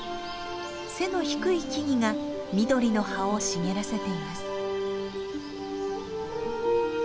背の低い木々が緑の葉を茂らせています。